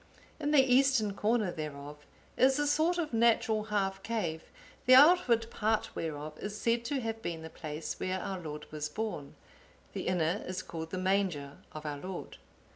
In the eastern corner thereof is a sort of natural half cave, the outward part whereof is said to have been the place where our Lord was born; the inner is called the manger of our Lord.